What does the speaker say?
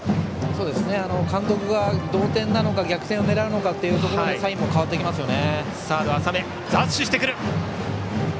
監督が同点なのか逆転を狙うのかでサインも変わってきますよね。